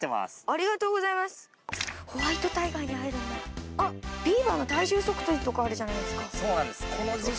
ありがとうございますホワイトタイガーに会えるんだあっビーバーの体重測定とかあるじゃないですかそうなんです